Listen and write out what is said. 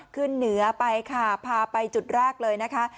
ขึ้นเหนือไปค่ะพาไปจุดแรกเลยนะคะ